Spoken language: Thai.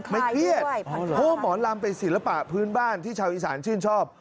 แม่เทียดเพิ่มหมอลำไปศิลปะพื้นบ้านที่ชาวอีสานชื่นชอบ